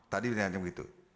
tadi dinyatakan begitu